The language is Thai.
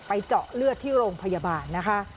เจาะเลือดที่โรงพยาบาลนะคะ